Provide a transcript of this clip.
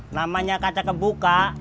namanya kaca kebuka